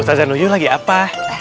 ustazah nuryul lagi apa